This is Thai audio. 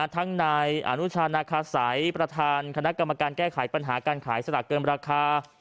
ทั้งนายอนุชานาคาสัยประธานคณะกรรมการแก้ไขปัญหาการขายสลากเกินราคา